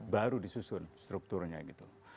baru disusun strukturnya gitu